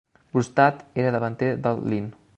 Brustad era davanter del Lyn.